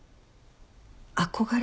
憧れ？